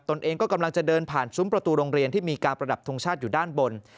เองก็กำลังจะเดินผ่านซุ้มประตูโรงเรียนที่มีการประดับทรงชาติอยู่ด้านบน